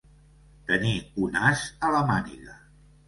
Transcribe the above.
Tenir un as a la màniga.